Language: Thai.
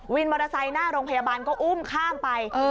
มอเตอร์ไซค์หน้าโรงพยาบาลก็อุ้มข้ามไป